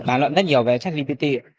bản luận rất nhiều về chartsgpt